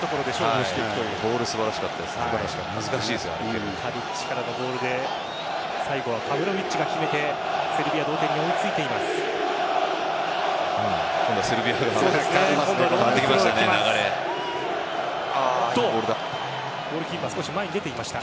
タディッチからのボールで最後はパヴロヴィッチが決めてセルビアが同点に追いついています。